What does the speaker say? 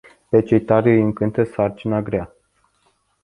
Pe cei tari îi încântă sarcina grea.